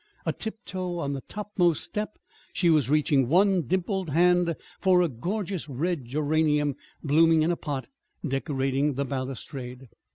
A tiptoe on the topmost step she was reaching one dimpled hand for a gorgeous red geranium blooming in a pot decorating the balustrade.